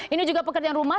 ini juga pekerjaan rumah